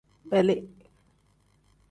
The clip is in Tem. Beli.